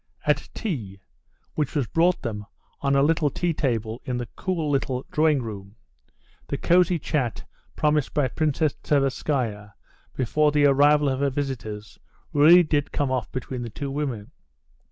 At tea, which was brought them on a little tea table in the cool little drawing room, the cozy chat promised by Princess Tverskaya before the arrival of her visitors really did come off between the two women.